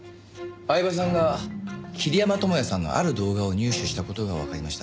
饗庭さんが桐山友哉さんのある動画を入手した事がわかりました。